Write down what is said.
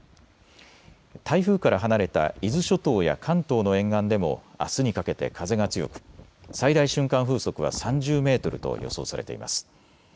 台風から離れた伊豆諸島や関東の沿岸でもあすにかけて風が強く最大瞬間風速は３０メートルと予想されています。